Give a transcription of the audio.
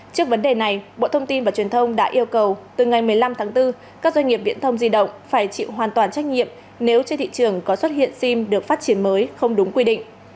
trước vấn đề này bộ thông tin và truyền thông đã yêu cầu từ ngày một mươi năm tháng bốn các doanh nghiệp viễn thông di động phải chịu hoàn toàn trách nhiệm nếu trên thị trường có xuất hiện sim được phát triển mới không đúng quy định